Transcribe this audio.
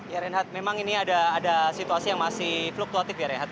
ya reinhardt memang ini ada situasi yang masih fluktuatif ya reinhard